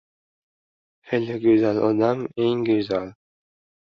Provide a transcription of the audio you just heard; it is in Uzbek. • Fe’li go‘zal odam ― eng go‘zal.